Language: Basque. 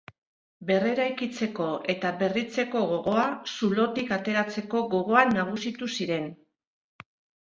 Berreraikitzeko eta berritzeko gogoa, zulotik ateratzeko gogoa nagusitu ziren.